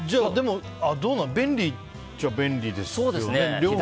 でも、便利っちゃ便利ですよね。